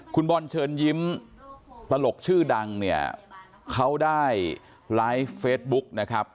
คุณบอลเชิญยิ้มตลกชื่อดังเนี่ยเขาได้ไลฟ์เฟซบุ๊กนะครับ